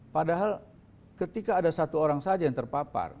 padahal ketika ada satu orang saja yang terpapar